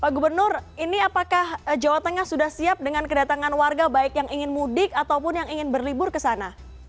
pak gubernur ini apakah jawa tengah sudah siap dengan kedatangan warga baik yang ingin mudik ataupun yang ingin berlibur ke sana